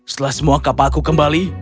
setelah semua kapalku kembali